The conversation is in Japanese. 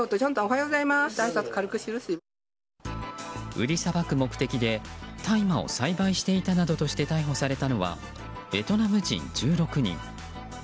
売りさばく目的で大麻を栽培していたなどとして逮捕されたのはベトナム人１６人。